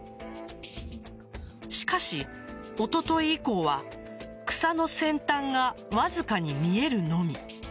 しかし、おととい以降は草の先端がわずかに見えるのみ。